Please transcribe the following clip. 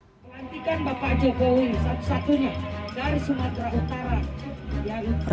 pelantikan bapak jokowi satu satunya dari sumatera utara